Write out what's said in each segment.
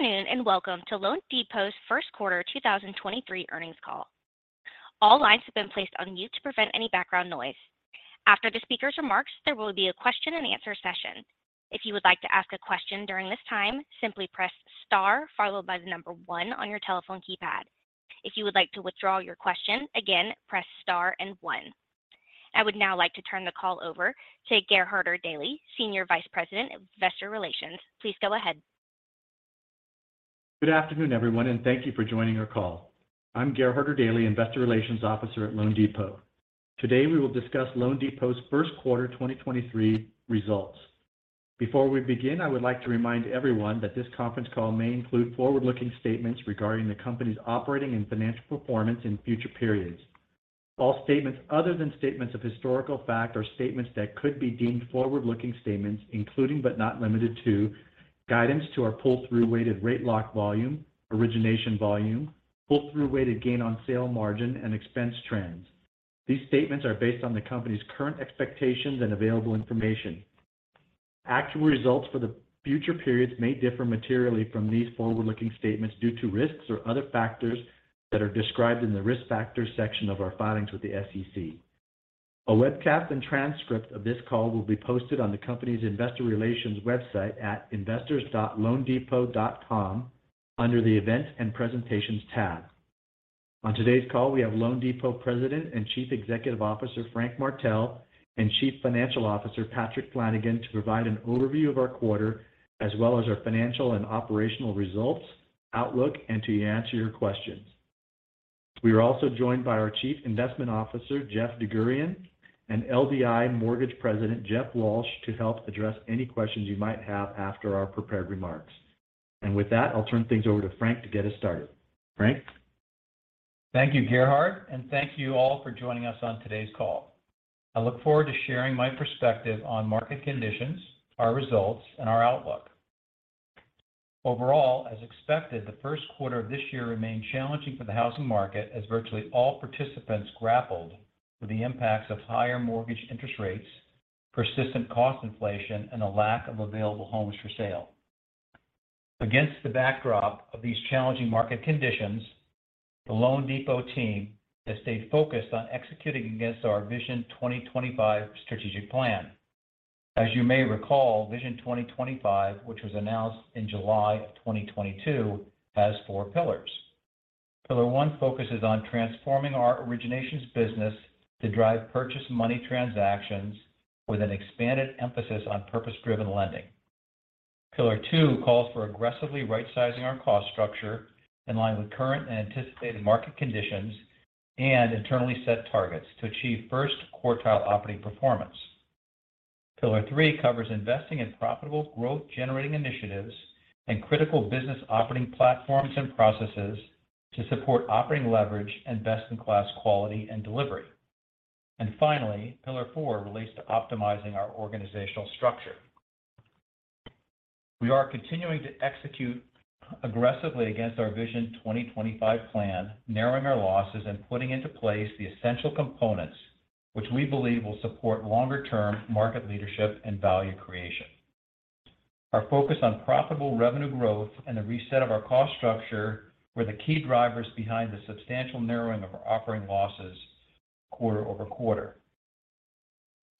Good afternoon, welcome to loanDepot's First Quarter 2023 Earnings Call. All lines have been placed on mute to prevent any background noise. After the speaker's remarks, there will be a question and answer session. If you would like to ask a question during this time, simply press Star followed by one on your telephone keypad. If you would like to withdraw your question, again, press Star and one. I would now like to turn the call over to Gerhard Erdelji, Senior Vice President of Investor Relations. Please go ahead. Good afternoon, everyone, and thank you for joining our call. I'm Gerhard Erdelji, Investor Relations Officer at loanDepot. Today, we will discuss loanDepot's first quarter 2023 results. Before we begin, I would like to remind everyone that this conference call may include forward-looking statements regarding the company's operating and financial performance in future periods. All statements other than statements of historical fact are statements that could be deemed forward-looking statements, including but not limited to, guidance to our pull-through weighted rate lock volume, origination volume, pull-through weighted gain on sale margin, and expense trends. These statements are based on the company's current expectations and available information. Actual results for the future periods may differ materially from these forward-looking statements due to risks or other factors that are described in the Risk Factors section of our filings with the SEC. A webcast and transcript of this call will be posted on the company's investor relations website at investors.loandepot.com under the Events and Presentations tab. On today's call, we have loanDepot President and Chief Executive Officer, Frank Martell, and Chief Financial Officer, Patrick Flanagan, to provide an overview of our quarter as well as our financial and operational results, outlook, and to answer your questions. We are also joined by our Chief Investment Officer, Jeff DerGurahian, and LDI Mortgage President, Jeff Walsh, to help address any questions you might have after our prepared remarks. With that, I'll turn things over to Frank to get us started. Frank. Thank you, Gerhard, thank you all for joining us on today's call. I look forward to sharing my perspective on market conditions, our results, and our outlook. Overall, as expected, the first quarter of this year remained challenging for the housing market as virtually all participants grappled with the impacts of higher mortgage interest rates, persistent cost inflation, and a lack of available homes for sale. Against the backdrop of these challenging market conditions, the loanDepot team has stayed focused on executing against our Vision 2025 strategic plan. As you may recall, Vision 2025, which was announced in July of 2022, has 4 pillars. Pillar 1 focuses on transforming our originations business to drive purchase money transactions with an expanded emphasis on purpose-driven lending. Pillar two calls for aggressively rightsizing our cost structure in line with current and anticipated market conditions and internally set targets to achieve first quartile operating performance. Pillar three covers investing in profitable growth generating initiatives and critical business operating platforms and processes to support operating leverage and best-in-class quality and delivery. Finally, pillar four relates to optimizing our organizational structure. We are continuing to execute aggressively against our Vision 2025 plan, narrowing our losses and putting into place the essential components which we believe will support longer term market leadership and value creation. Our focus on profitable revenue growth and the reset of our cost structure were the key drivers behind the substantial narrowing of our operating losses quarter-over-quarter.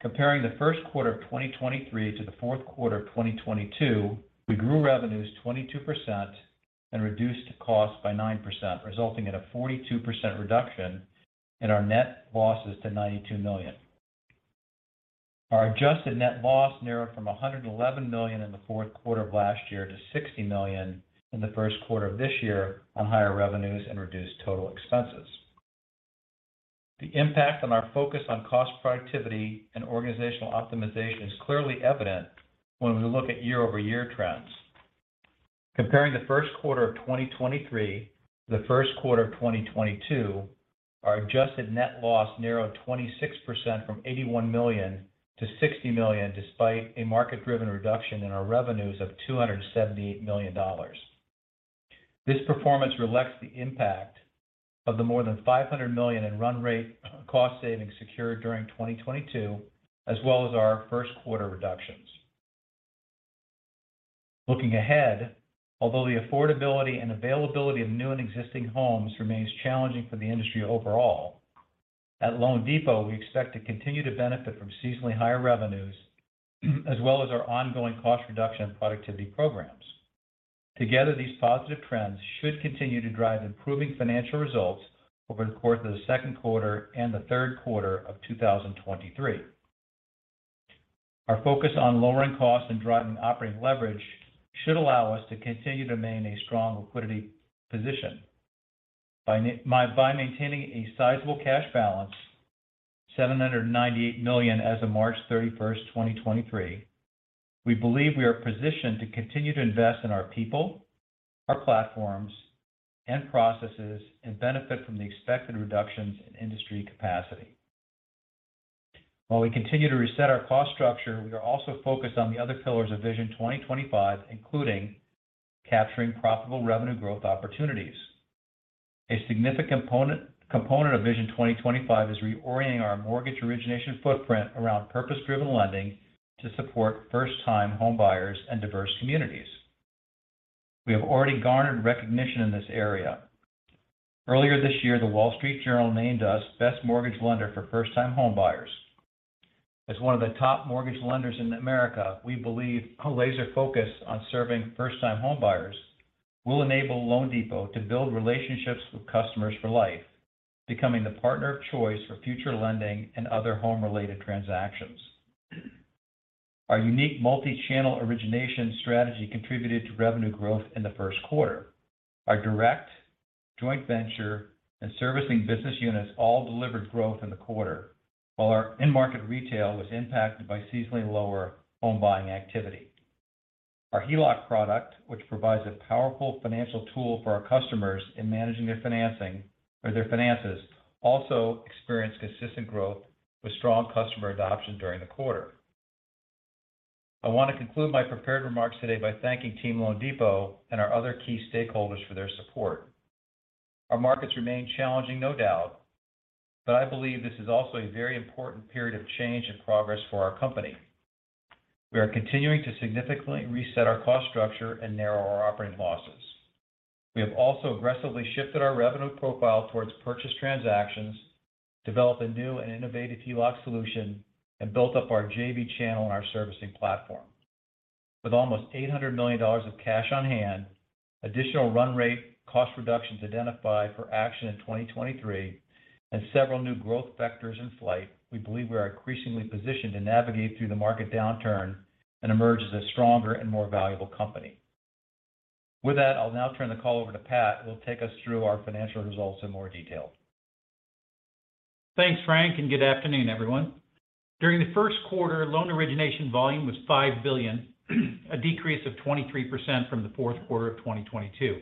Comparing the first quarter of 2023 to the fourth quarter of 2022, we grew revenues 22% and reduced costs by 9%, resulting in a 42% reduction in our net losses to $92 million. Our adjusted net loss narrowed from $111 million in the fourth quarter of last year to $60 million in the first quarter of this year on higher revenues and reduced total expenses. The impact on our focus on cost productivity and organizational optimization is clearly evident when we look at year-over-year trends. Comparing the first quarter of 2023 to the first quarter of 2022, our adjusted net loss narrowed 26% from $81 million to $60 million, despite a market-driven reduction in our revenues of $278 million. This performance reflects the impact of the more than $500 million in run rate cost savings secured during 2022, as well as our first quarter reductions. Looking ahead, although the affordability and availability of new and existing homes remains challenging for the industry overall, at loanDepot, we expect to continue to benefit from seasonally higher revenues as well as our ongoing cost reduction and productivity programs. Together, these positive trends should continue to drive improving financial results over the course of the second quarter and the third quarter of 2023. Our focus on lowering costs and driving operating leverage should allow us to continue to maintain a strong liquidity position. By maintaining a sizable cash balance, $798 million as of March 31st, 2023, we believe we are positioned to continue to invest in our people, our platforms, and processes, and benefit from the expected reductions in industry capacity. While we continue to reset our cost structure, we are also focused on the other pillars of Vision 2025, including capturing profitable revenue growth opportunities. A significant component of Vision 2025 is reorienting our mortgage origination footprint around purpose-driven lending to support first-time homebuyers and diverse communities. We have already garnered recognition in this area. Earlier this year, The Wall Street Journal named us Best Mortgage Lender for First-Time Homebuyers. As one of the top mortgage lenders in America, we believe a laser focus on serving first-time homebuyers will enable loanDepot to build relationships with customers for life, becoming the partner of choice for future lending and other home-related transactions. Our unique multi-channel origination strategy contributed to revenue growth in the first quarter. Our direct, joint venture, and servicing business units all delivered growth in the quarter, while our in-market retail was impacted by seasonally lower home buying activity. Our HELOC product, which provides a powerful financial tool for our customers in managing their financing or their finances, also experienced consistent growth with strong customer adoption during the quarter. I want to conclude my prepared remarks today by thanking Team loanDepot and our other key stakeholders for their support. Our markets remain challenging, no doubt. I believe this is also a very important period of change and progress for our company. We are continuing to significantly reset our cost structure and narrow our operating losses. We have also aggressively shifted our revenue profile towards purchase transactions, developed a new and innovative HELOC solution, and built up our JV channel and our servicing platform. With almost $800 million of cash on hand, additional run rate cost reductions identified for action in 2023, and several new growth vectors in flight, we believe we are increasingly positioned to navigate through the market downturn and emerge as a stronger and more valuable company. With that, I'll now turn the call over to Pat, who will take us through our financial results in more detail. Thanks, Frank, and good afternoon, everyone. During the first quarter, loan origination volume was $5 billion, a decrease of 23% from the fourth quarter of 2022.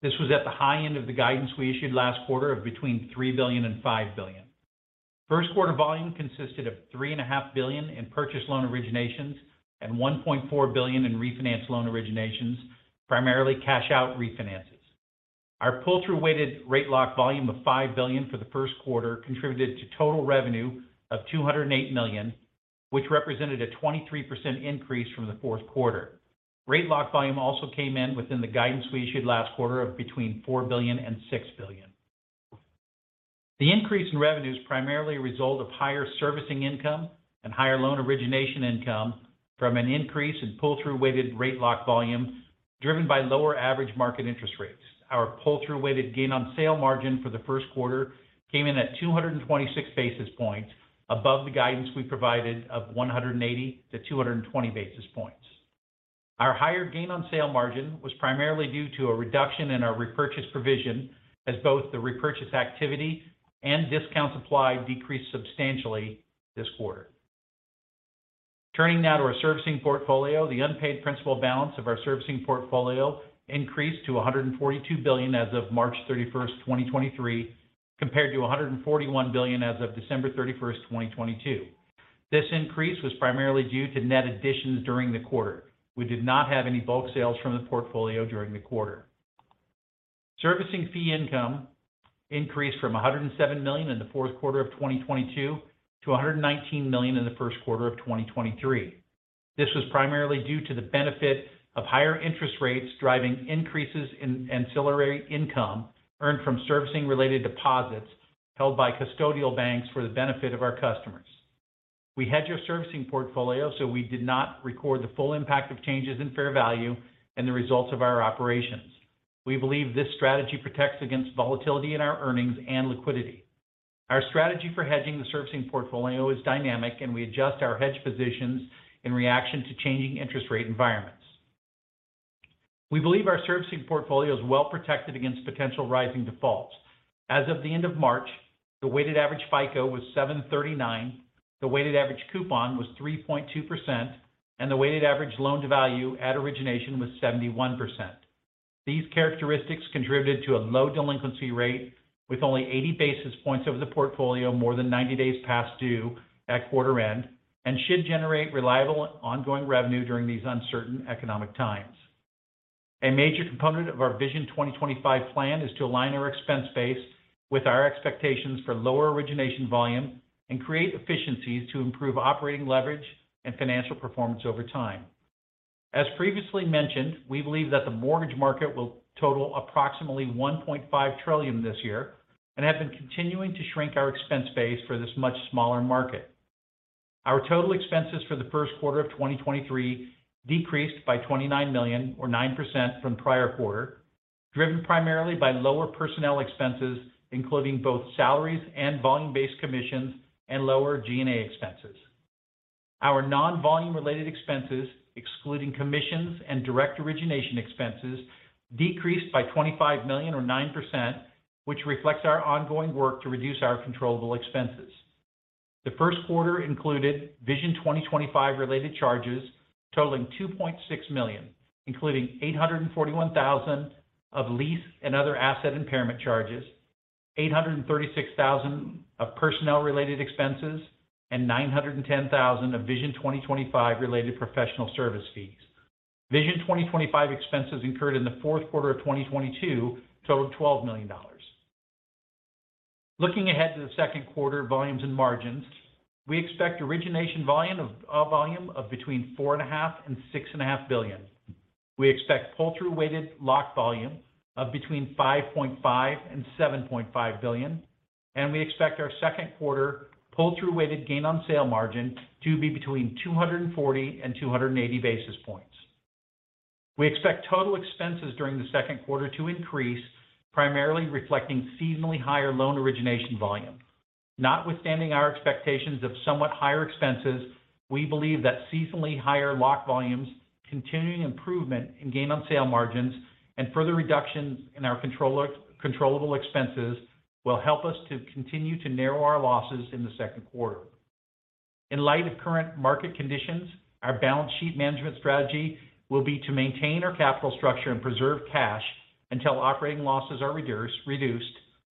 This was at the high end of the guidance we issued last quarter of between $3 billion and $5 billion. First quarter volume consisted of $3.5 billion in purchase loan originations and $1.4 billion in refinance loan originations, primarily cash-out refinances. Our pull-through weighted rate lock volume of $5 billion for the first quarter contributed to total revenue of $208 million, which represented a 23% increase from the fourth quarter. Rate lock volume also came in within the guidance we issued last quarter of between $4 billion and $6 billion. The increase in revenue is primarily a result of higher servicing income and higher loan origination income from an increase in pull-through weighted rate lock volume driven by lower average market interest rates. Our pull-through weighted gain on sale margin for the first quarter came in at 226 basis points above the guidance we provided of 180-220 basis points. Our higher gain on sale margin was primarily due to a reduction in our repurchase provision as both the repurchase activity and discount supply decreased substantially this quarter. Turning now to our servicing portfolio. The unpaid principal balance of our servicing portfolio increased to $142 billion as of March 31st, 2023, compared to $141 billion as of December 31st, 2022. This increase was primarily due to net additions during the quarter. We did not have any bulk sales from the portfolio during the quarter. Servicing fee income increased from $107 million in the fourth quarter of 2022 to $119 million in the first quarter of 2023. This was primarily due to the benefit of higher interest rates driving increases in ancillary income earned from servicing related deposits held by custodial banks for the benefit of our customers. We hedge our servicing portfolio, so we did not record the full impact of changes in fair value and the results of our operations. We believe this strategy protects against volatility in our earnings and liquidity. Our strategy for hedging the servicing portfolio is dynamic, and we adjust our hedge positions in reaction to changing interest rate environments. We believe our servicing portfolio is well protected against potential rising defaults. As of the end of March, the weighted average FICO was 739, the weighted average coupon was 3.2%, and the weighted average loan-to-value at origination was 71%. These characteristics contributed to a low delinquency rate, with only 80 basis points over the portfolio more than 90 days past due at quarter end and should generate reliable ongoing revenue during these uncertain economic times. A major component of our Vision 2025 plan is to align our expense base with our expectations for lower origination volume and create efficiencies to improve operating leverage and financial performance over time. As previously mentioned, we believe that the mortgage market will total approximately $1.5 trillion this year and have been continuing to shrink our expense base for this much smaller market. Our total expenses for the first quarter of 2023 decreased by $29 million or 9% from the prior quarter, driven primarily by lower personnel expenses, including both salaries and volume-based commissions and lower G&A expenses. Our non-volume related expenses, excluding commissions and direct origination expenses, decreased by $25 million or 9%, which reflects our ongoing work to reduce our controllable expenses. The first quarter included Vision 2025 related charges totaling $2.6 million, including $841,000 of lease and other asset impairment charges. $836,000 of personnel related expenses and $910,000 of Vision 2025 related professional service fees. Vision 2025 expenses incurred in the fourth quarter of 2022 totaled $12 million. Looking ahead to the second quarter volumes and margins, we expect origination volume of between $4.5 billion and $6.5 billion. We expect pull-through weighted lock volume of between $5.5 billion and $7.5 billion. We expect our second quarter pull-through weighted gain on sale margin to be between 240 and 280 basis points. We expect total expenses during the second quarter to increase, primarily reflecting seasonally higher loan origination volume. Notwithstanding our expectations of somewhat higher expenses, we believe that seasonally higher lock volumes, continuing improvement in gain on sale margins, and further reductions in our controllable expenses will help us to continue to narrow our losses in the second quarter. In light of current market conditions, our balance sheet management strategy will be to maintain our capital structure and preserve cash until operating losses are reduced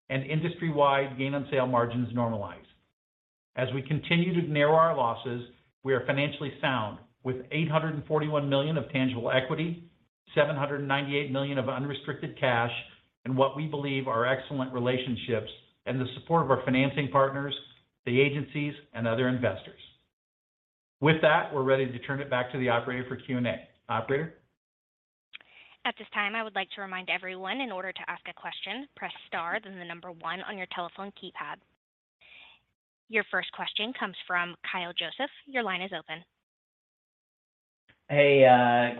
and industry-wide gain on sale margins normalize. As we continue to narrow our losses, we are financially sound with $841 million of tangible equity, $798 million of unrestricted cash and what we believe are excellent relationships and the support of our financing partners, the agencies and other investors. With that, we're ready to turn it back to the operator for Q&A. Operator. At this time, I would like to remind everyone in order to ask a question, press star then the number one on your telephone keypad. Your first question comes from Kyle Joseph. Your line is open. Hey,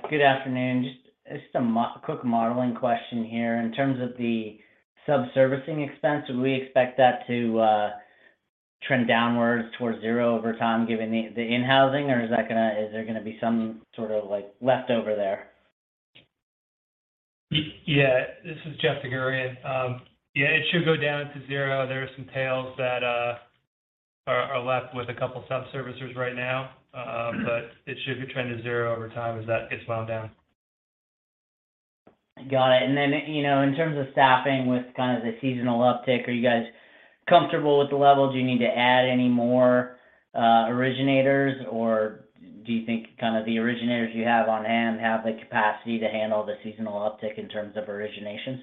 good afternoon. Just, it's a quick modeling question here. In terms of the sub-servicing expense, would we expect that to trend downwards towards zero over time given the in-housing? Or is there gonna be some sort of like leftover there? Yeah, this is Jeff DerGurahian. Yeah, it should go down to zero. There are some tails that are left with a couple sub-servicers right now. It should trend to zero over time as that gets wound down. Got it. You know, in terms of staffing with kind of the seasonal uptick, are you guys comfortable with the level? Do you need to add any more originators, or do you think kind of the originators you have on hand have the capacity to handle the seasonal uptick in terms of originations?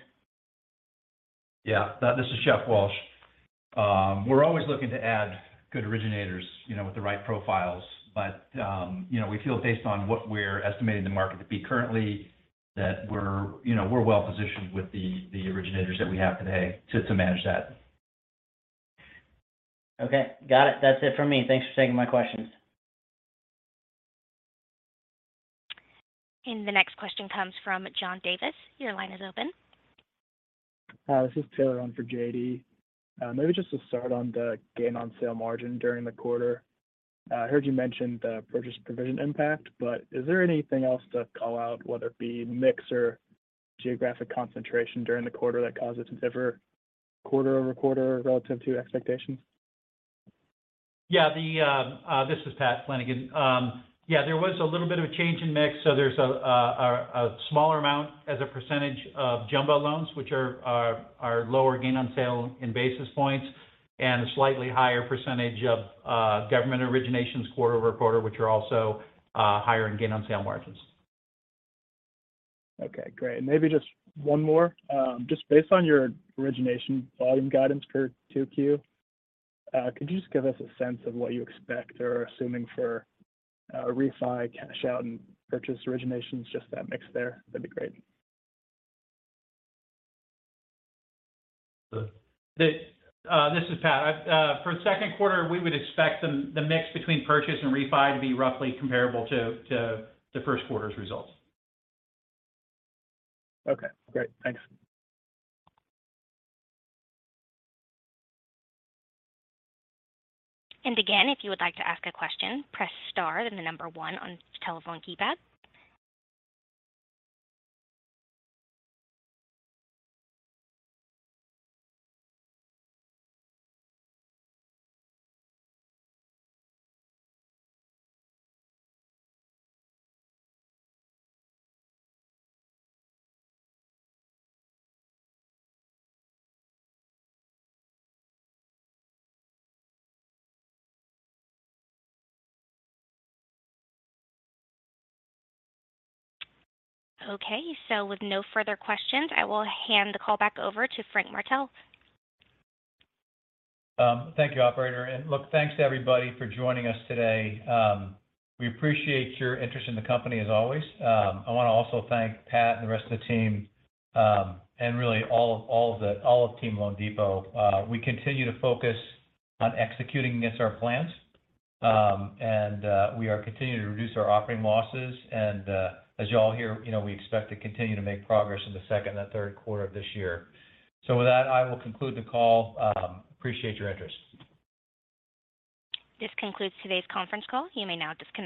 Yeah. This is Jeff Walsh. We're always looking to add good originators, you know, with the right profiles. You know, we feel based on what we're estimating the market to be currently that we're, you know, we're well positioned with the originators that we have today to manage that. Okay. Got it. That's it for me. Thanks for taking my questions. The next question comes from John Davis. Your line is open. Hi, this is Taylor on for JD. Maybe just to start on the gain on sale margin during the quarter. I heard you mention the repurchase provision impact, but is there anything else to call out, whether it be mix or geographic concentration during the quarter that caused a stiffer quarter-over-quarter relative to expectations? This is Pat Flanagan. There was a little bit of a change in mix. There's a smaller amount as a percentage of jumbo loans, which are lower gain on sale in basis points and a slightly higher percentage of government originations quarter-over-quarter, which are also higher in gain on sale margins. Okay, great. Maybe just one more. Just based on your origination volume guidance for two Q, could you just give us a sense of what you expect or are assuming for, refi, cash out and purchase originations, just that mix there? That'd be great. This is Pat. For the second quarter, we would expect the mix between purchase and refi to be roughly comparable to the first quarter's results. Okay, great. Thanks. Again, if you would like to ask a question, press star then 1 on your telephone keypad. Okay. With no further questions, I will hand the call back over to Frank Martell. Thank you, operator. Look, thanks to everybody for joining us today. We appreciate your interest in the company as always. I want to also thank Pat and the rest of the team, and really all of team loanDepot. We continue to focus on executing against our plans. We are continuing to reduce our operating losses. As you all hear, you know, we expect to continue to make progress in the second and third quarter of this year. With that, I will conclude the call. Appreciate your interest. This concludes today's conference call. You may now disconnect.